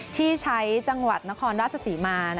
ที่ใช้จังหวัดนครรัสจศิมา